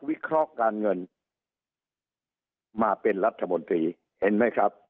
วิเคราะห์การเงินมาเป็นรัฐมนตรีเห็นไหมครับ